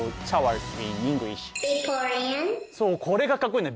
そうこれがかっこいいんだよ